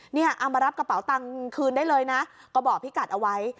นี่ฮะเอามารับกระเป๋าตังคืนได้เลยนะกระบ่อพิกัดเอาไว้